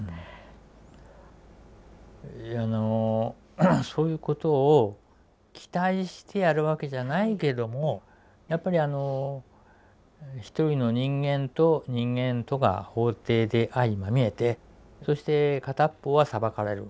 いやあのそういうことを期待してやるわけじゃないけどもやっぱり一人の人間と人間とが法廷で相まみえてそして片っぽは裁かれる。